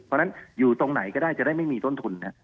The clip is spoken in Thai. เพราะฉะนั้นอยู่ตรงไหนก็ได้จะได้ไม่มีต้นทุน